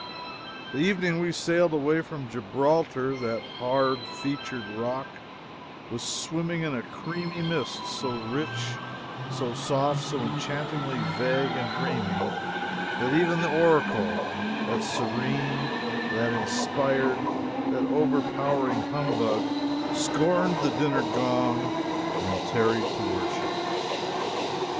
The evening we sailed away from Gibraltar, that hard featured rock was swimming in a creamy mist so rich, so soft, so enchantingly vague and dreamy, that even the Oracle, that serene, that inspired, that overpowering humbug, scorned the dinner gong and tarried to worship!